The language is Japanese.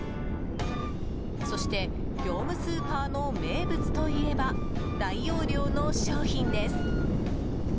そして、業務スーパーの名物といえば大容量の商品です。